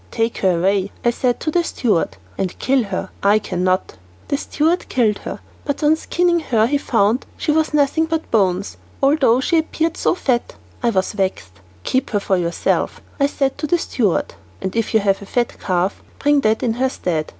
"Take her away," I said to the steward, "and kill her; I cannot." The steward killed her, but on skinning her found that she was nothing but bones, although she appeared so fat. I was vexed. "Keep her for yourself," I said to the steward, "and if you have a fat calf, bring that in her stead."